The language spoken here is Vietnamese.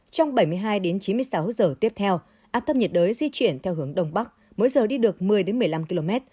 trong bảy mươi hai chín mươi sáu giờ tiếp theo áp thấp nhiệt đới di chuyển theo hướng đông bắc mỗi giờ đi được một mươi một mươi năm km